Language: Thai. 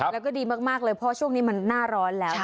แล้วก็ดีมากเลยเพราะช่วงนี้มันหน้าร้อนแล้ว